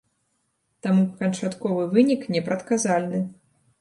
Таму канчатковы вынік непрадказальны.